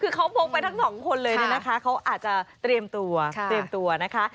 คือเขาพกไปทั้ง๒คนเลยเนี่ยนะคะเขาอาจจะเตรียมตัวนะคะ